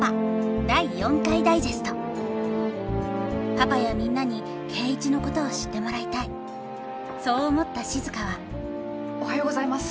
パパやみんなに圭一のことを知ってもらいたいそう思った静はおはようございます！